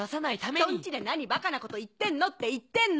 ひとん家で何バカなこと言ってんのって言ってんの！